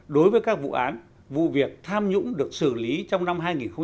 đối với các vụ án vụ việc tham nhũng được xử lý trong năm hai nghìn một mươi chín